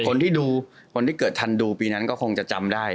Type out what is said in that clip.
คนที่ดูคนที่เกิดทันดูปีนั้นก็คงจะจำได้